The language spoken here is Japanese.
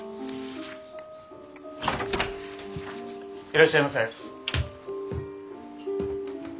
いらっしゃいませ。